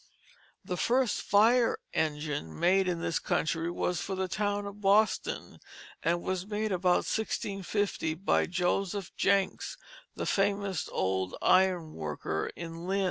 The first fire engine made in this country was for the town of Boston, and was made about 1650 by Joseph Jencks, the famous old iron worker in Lynn.